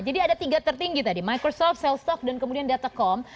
jadi ada tiga tertinggi tadi microsoft sel stok dan kemudian datacom